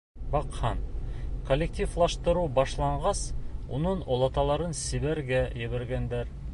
Баҡһаң, коллективлаштырыу башланғас, уның олаталарын Себергә ебәргәндәр.